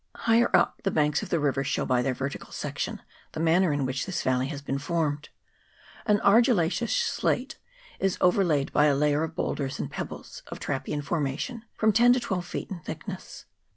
Higher up, the banks of the river show by their vertical section the manner in which this valley has been formed. An argillaceous slate is overlaid by a layer of boulders and pebbles, of trappean formation, from ten to twelve feet in thickness.